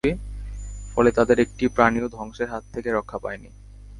ফলে তাদের একটি প্রাণীও ধ্বংসের হাত থেকে রক্ষা পায়নি।